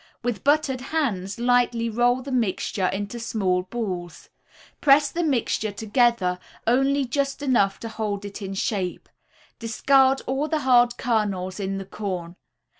With buttered hands lightly roll the mixture into small balls. Press the mixture together only just enough to hold it in shape. Discard all the hard kernels in the corn.